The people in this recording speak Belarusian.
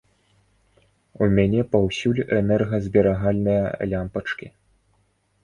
У мяне паўсюль энергазберагальныя лямпачкі.